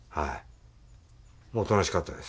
もうおとなしかったです。